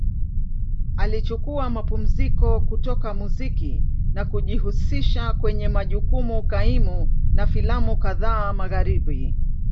Alichukua mapumziko kutoka muziki na kujihusisha kwenye majukumu kaimu na filamu kadhaa Magharibi.